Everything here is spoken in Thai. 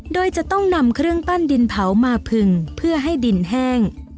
โดยจะต้องนำเครื่องปั้นดินเผามาผึงเพื่อให้ดินแห้ง